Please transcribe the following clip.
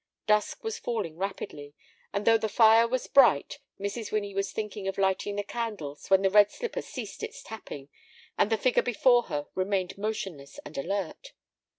Dusk was falling rapidly, and though the fire was bright, Mrs. Winnie was thinking of lighting the candles when the red slipper ceased its tapping, and the figure before her remained motionless and alert.